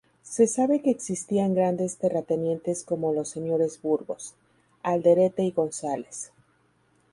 Se sabe que existían grandes terratenientes como los señores Burgos, Alderete y González.